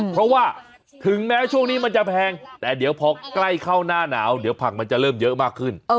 เพราะว่าถึงแม้ช่วงนี้มันจะแพงแต่เดี๋ยวพอใกล้เข้าหน้าหนาวเดี๋ยวผักมันจะเริ่มเยอะมากขึ้น